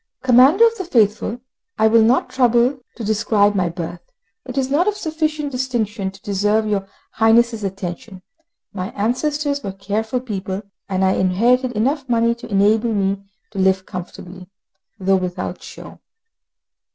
Commander of the Faithful, I will not trouble to describe my birth; it is not of sufficient distinction to deserve your Highness' attention. My ancestors were careful people, and I inherited enough money to enable me to live comfortably, though without show.